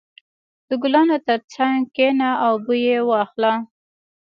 • د ګلانو تر څنګ کښېنه او بوی یې واخله.